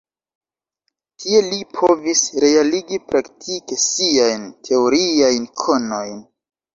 Tie li povis realigi praktike siajn teoriajn konojn.